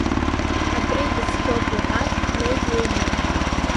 Абри дыцқьоуп иҳәан днеит лыҩны.